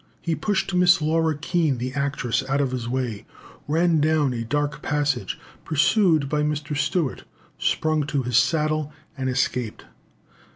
He pushed Miss Laura Keene, the actress, out of his way, ran down a dark passage, pursued by Mr. Stewart, sprung to his saddle, and escaped.